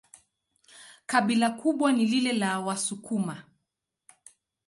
Kabila kubwa ni lile la Wasukuma.